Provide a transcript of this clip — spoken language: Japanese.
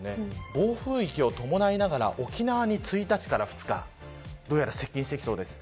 暴風域を伴いながら沖縄に１日から２日接近してきそうです。